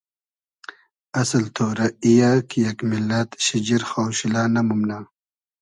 اسل تۉرۂ ای یۂ کی یئگ میللئد شیجیر خاوشیلۂ نئمومنۂ